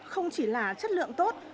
không chỉ là chất lượng tốt